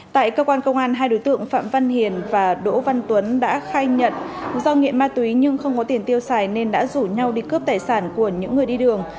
tại cơ quan công an hai đối tượng phạm văn hiền và đỗ văn tuấn đã khai nhận do nghiện ma túy nhưng không có tiền tiêu xài nên đã rủ nhau đi cướp tài sản của những người đi đường